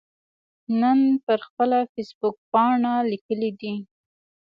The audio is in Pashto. نن پر خپله فیسبوکپاڼه لیکلي دي